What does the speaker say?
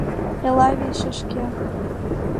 Элавий, шешке!